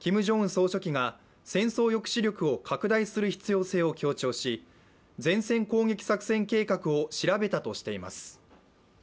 総書記が戦争抑止力を攻勢的に拡大する必要性を強調し全線攻撃作戦計画を調べたとしています。